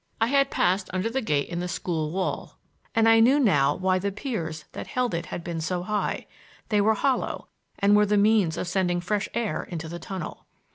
I had passed under the gate in the school wall, and I knew now why the piers that held it had been built so high,—they were hollow and were the means of sending fresh air into the tunnel.